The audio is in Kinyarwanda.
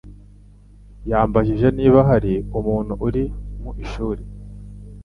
yambajije niba hari umuntu uri mu ishuri.